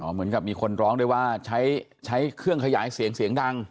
เหมือนกับมีคนร้องด้วยว่าใช้เครื่องขยายเสียงเสียงดัง